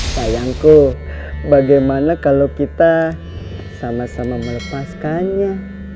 sayangku bagaimana kalau kita sama sama melepaskannya